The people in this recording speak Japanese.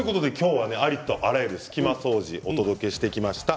今日はありとあらゆる隙間掃除をお届けしてまいりました。